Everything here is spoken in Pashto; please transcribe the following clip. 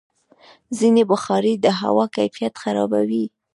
ځینې بخارۍ د هوا کیفیت خرابوي.